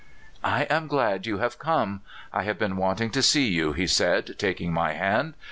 *' I am glad you have come. I have been want ing to see you," he said, taking my hand.